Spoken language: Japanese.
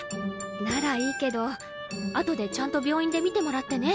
ならいいけどあとでちゃんと病院で診てもらってね。